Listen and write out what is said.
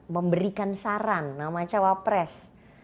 memberikan saran nama cawapres